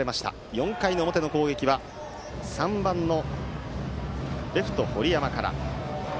４回の表の攻撃は３番のレフト、堀山から。